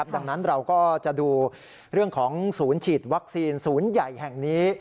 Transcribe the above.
ดังนั้นเราก็จะดูเรื่องของศูนย์ฉีดวัคซีนศูนย์ใหญ่แห่งนี้